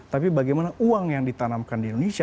tapi bagaimana uang yang ditanamkan di indonesia